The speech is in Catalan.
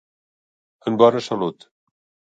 En bona salut.